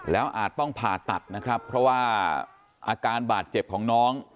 แล้วอาจต้องผ่าตัดนะครับเพราะว่าอาการบาดเจ็บของน้อง